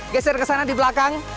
geser ke sana di belakang